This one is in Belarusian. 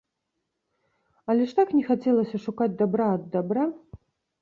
Але ж так не хацелася шукаць дабра ад дабра.